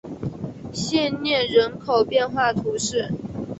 谢涅人口变化图示